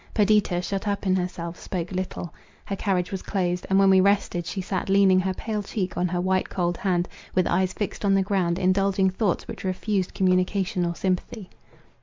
Perdita, shut up in herself, spoke little. Her carriage was closed; and, when we rested, she sat leaning her pale cheek on her white cold hand, with eyes fixed on the ground, indulging thoughts which refused communication or sympathy.